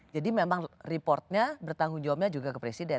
jadi memang reportnya bertanggung jawabnya juga ke presiden